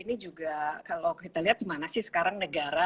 ini juga kalau kita lihat gimana sih sekarang negara